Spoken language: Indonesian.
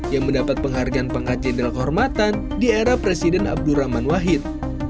yang mendapat penghargaan pengangkat jenderal kehormatan di era presiden abdurrahman wahid